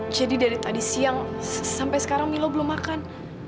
jadi dari tadi siang sampai sekarang milo belum makan